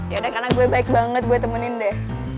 yaudah karena gue baik banget buat temenin deh